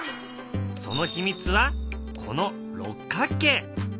その秘密はこの六角形。